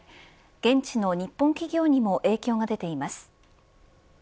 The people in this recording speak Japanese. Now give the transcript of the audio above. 現地の日本企業にも影響が出ています。